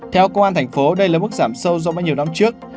theo công an tp hcm đây là mức giảm sâu do bao nhiêu năm trước